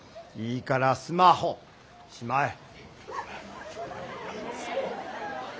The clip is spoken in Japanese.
いいからスマホしまえ。